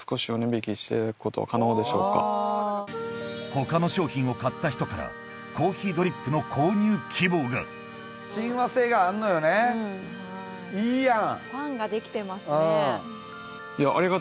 他の商品を買った人からコーヒードリップの購入希望がいいやん。